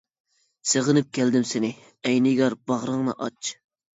سېغىنىپ كەلدىم سېنى، ئەي نىگار باغرىڭنى ئاچ.